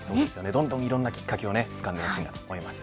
どんどんいろんなきっかけをつかんでほしいと思います。